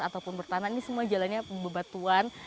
ataupun bertahan ini semua jalannya bebatuan